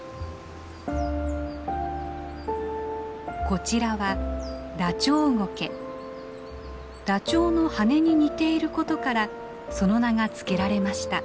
こちらはダチョウの羽根に似ていることからその名が付けられました。